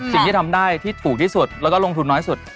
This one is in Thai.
สิ่งที่ทำได้ที่ถูกที่สุดแล้วก็ลงทุนน้อยสุด